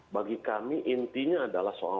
bagi kami intinya adalah soal